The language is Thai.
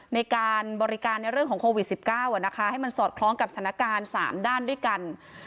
ในการบริการในเรื่องของโควิด๑๙ให้มันสอดคล้องกับสถานการณ์๓ด้านด้วยกัน